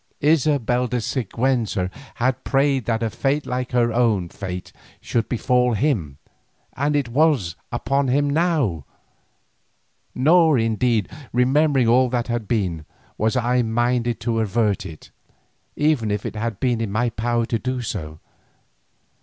Isabella de Siguenza had prayed that a fate like to her own fate should befall him, and it was upon him now. Nor indeed, remembering all that had been, was I minded to avert it, even if it had been in my power to do so.